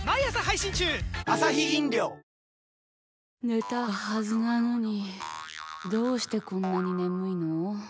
寝たはずなのにどうしてこんなに眠いの。